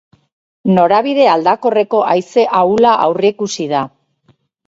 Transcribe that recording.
Norabide aldakorreko haize ahula aurreikusi da.